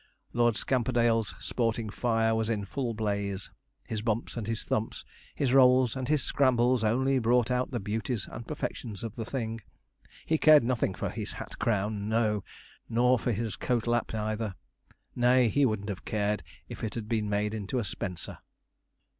Lord Scamperdale's sporting fire was in full blaze. His bumps and his thumps, his rolls, and his scrambles, only brought out the beauties and perfections of the thing. He cared nothing for his hat crown, no; nor for his coat lap either. Nay, he wouldn't have cared if it had been made into a spencer.